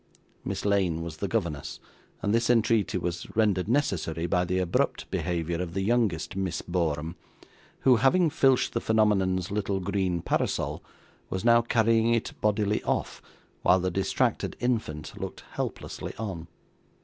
Miss Lane was the governess, and this entreaty was rendered necessary by the abrupt behaviour of the youngest Miss Borum, who, having filched the phenomenon's little green parasol, was now carrying it bodily off, while the distracted infant looked helplessly on.